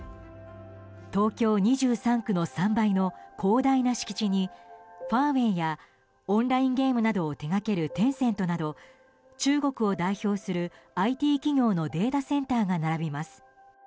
東京２３区の３倍の広大な敷地にファーウェイやオンラインゲームなどを手掛けるテンセントなど中国を代表するＩＴ企業のデータセンターが並びます。